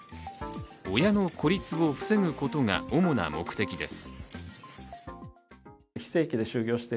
親の孤立を防ぐことが主な目的です。